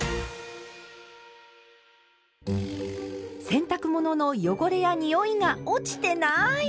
洗濯物の汚れやにおいが落ちてない！